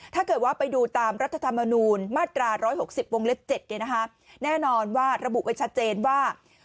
ถ้าเกิดว่าไปดูตามรัฐธรรมนูญมาตรา๑๖๐วงเล็บ๗แน่นอนว่าระบุไว้ชัดเจนว่า